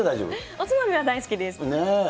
おつまみは大好きです。